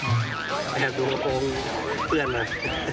แอบดูกระโปรงเพื่อนมา